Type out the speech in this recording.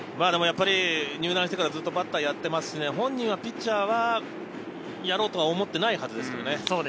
入団してからずっとバッターをやっていますし、本人はピッチャーはやろうと思っていないはずですよね。